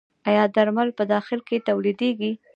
آیا درمل په داخل کې تولیدیږي؟